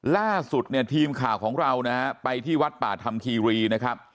ล่าสุดทีมข่าวของเรานะไปที่วัดป่าธรรมกิรี่ร์นะครับ